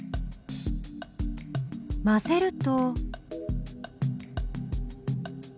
混ぜると。